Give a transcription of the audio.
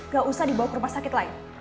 gak usah dibawa ke rumah sakit lain